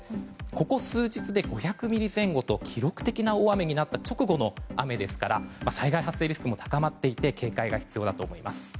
ここ数日で５００ミリ前後と記録的な大雨になった直後の雨ですから災害発生リスクも高まっていて警戒が必要だと思います。